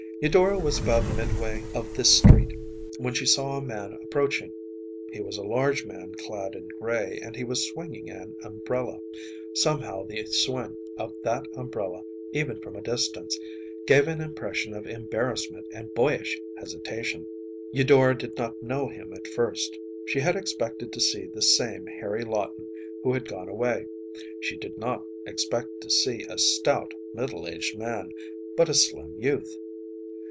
Eudora was about midway of this street when she saw a man approaching. He was a large man clad in gray, and he was swinging an umbrella. Somehow the swing of that umbrella, even from a distance, gave an impression of embarrassment and boyish hesitation. Eudora did not know him at first. She had expected to see the same Harry Lawton who had gone away. She did not expect to see a stout, middle aged man, but a slim youth.